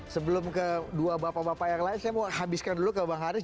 sebelum ke dua bapak bapak yang lain saya mau habiskan dulu ke bang haris